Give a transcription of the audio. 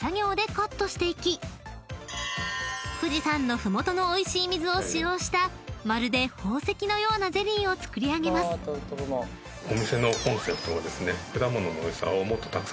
［富士山の麓のおいしい水を使用したまるで宝石のようなゼリーを作り上げます］ということなので。